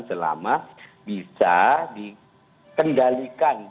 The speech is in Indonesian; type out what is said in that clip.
selama bisa dikendalikan